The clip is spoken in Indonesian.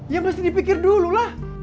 ya mesti dipikir dulu lah